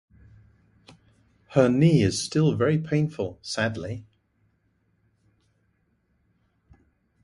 Her knee is still very painful, sadly.